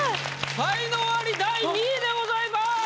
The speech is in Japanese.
才能アリ第２位でございます。